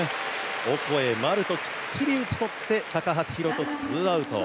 オコエ、丸ときっちり打ち取って、高橋宏斗、ツーアウト。